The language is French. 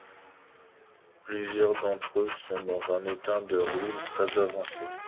Plusieurs d'entre eux sont dans un état de ruine très avancé.